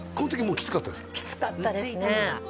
きつかったですね